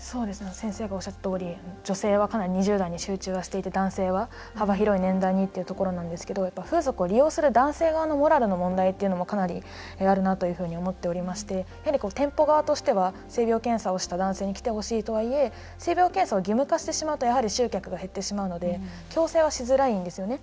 先生がおっしゃったとおり女性は、かなり２０代に集中はしていて男性は幅広い年代にっていうところなんですけどやっぱ風俗を利用する男性側のモラルの問題っていうのもかなりあるなというふうに思っておりまして店舗側としては性病検査をした男性に来てほしいとはいえ性病検査を義務化してしまうとやはり集客が減ってしまうので強制はしづらいんですよね。